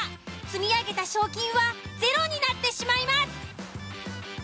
積み上げた賞金はゼロになってしまいます。